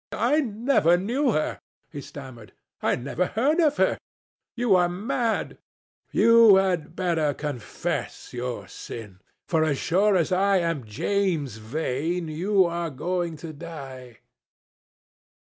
"I never knew her," he stammered. "I never heard of her. You are mad." "You had better confess your sin, for as sure as I am James Vane, you are going to die."